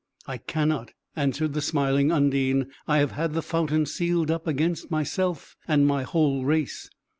"I cannot!" answered the smiling Undine. "I have had the fountain sealed up, against myself and my whole race."